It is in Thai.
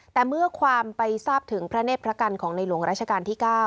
แต่เมื่อความไปทราบถึงพระเนธพระกันของในหลวงราชการที่๙